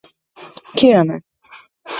kirame